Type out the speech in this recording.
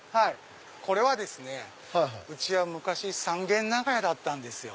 これはですねうちは昔三軒長屋だったんですよ。